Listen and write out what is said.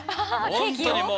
ほんとにもう。